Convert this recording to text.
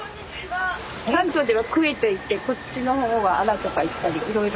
関東ではクエと言ってこっちの方はアラとか言ったりいろいろ。